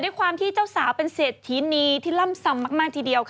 จะคลานเพจเจ้าสาวเป็นเศรษฐ์ที่นีย์ที่ร่ำซำมากทีเดียว